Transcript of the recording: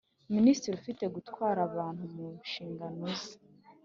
Minisitiri ufite gutwara abantu mu nshingano ze